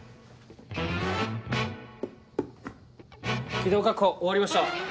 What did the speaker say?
気道確保終わりました。